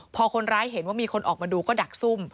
พอคนร้ายเห็นว่ามีคนออกมาดูก็ดักซุ่ม